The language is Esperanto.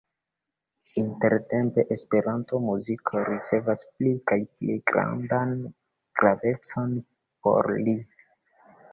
Intertempe Esperanto-muziko ricevas pli kaj pli grandan gravecon por li.